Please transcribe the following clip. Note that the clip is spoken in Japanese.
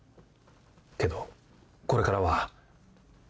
けどこれからは。